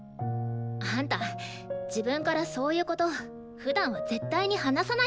あんた自分からそういうことふだんは絶対に話さないから。